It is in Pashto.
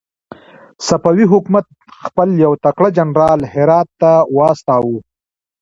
صفوي حکومت خپل يو تکړه جنرال هرات ته واستاوه.